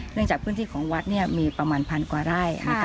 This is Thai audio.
เนื่องจากพื้นที่ของวัดมีประมาณพันธุ์กว่าไร่